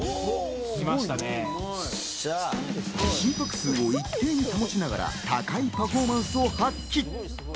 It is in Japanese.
心拍数を一定に保ちながら高いパフォーマンスを発揮。